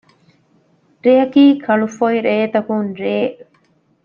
ރެއަކީ ކަޅުފޮއި ރޭތަކުން ރެއެއް